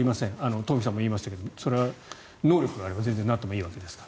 東輝さんも言いましたがそれは能力があればなってもいいわけですから。